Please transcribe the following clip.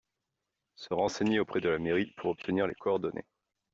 Se renseigner auprès de la mairie pour obtenir les coordonnées.